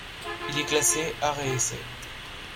Il est classé Art et Essai.